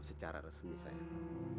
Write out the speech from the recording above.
secara resmi sayang